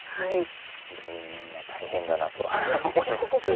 本当にみんな大変だなとは思いますけど。